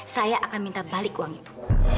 saya akan minta balik uang itu